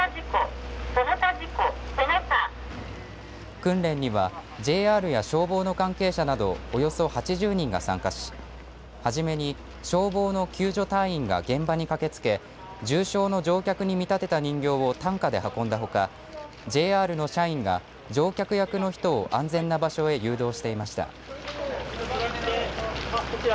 訓練にはＪＲや消防の関係者などおよそ８０人が参加し初めに消防の救助隊員が現場に駆けつけ重傷の乗客に見立てた人形を担架で運んだほかＪＲの社員が乗客役の人を安全な場所へ誘導していました。